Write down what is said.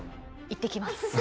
いってきます。